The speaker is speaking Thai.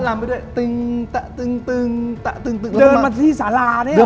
แล้วก็ลำไปด้วย